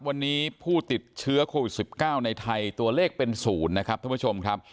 วันนี้ผู้ติดเชื้อโควิด๑๙ในไทยตัวเลขเป็น๐นะครับท่านผู้ชมครับ